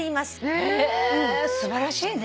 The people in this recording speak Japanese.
へぇ素晴らしいね。